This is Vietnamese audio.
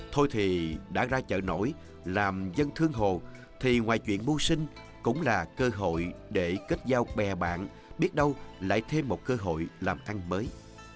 thôi thì đã ra chợ nổi làm dân thương hồ thì ngoài chuyện mưu sinh cũng là cơ hội để kết giao bè bạn biết đâu lại thêm một cơ hội làm ăn mới